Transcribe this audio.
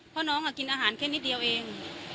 เพราะน้องกินอาหารแค่นิดเดียวเอง